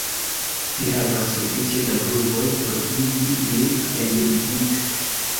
Vi havas sufiĉe da pruvoj por igi lin pendigita.